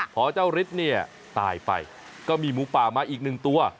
พอเจ้าฤทธิ์เนี่ยตายไปก็มีหมูป่ามาอีกหนึ่งตัว